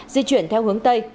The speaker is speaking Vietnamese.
di chuyển theo hướng tây